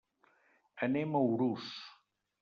Anem a Urús.